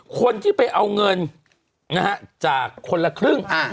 คนที่ไปเอาเงินจากคนละครึ่ง